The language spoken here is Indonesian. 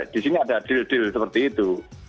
di sini ada deal deal seperti itu